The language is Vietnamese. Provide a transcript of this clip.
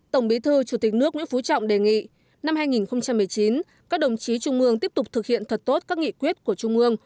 tổng bí thư chủ tịch nước nguyễn phú trọng đề nghị năm hai nghìn một mươi chín các đồng chí trung ương tiếp tục thực hiện thật tốt các nghị quyết của trung ương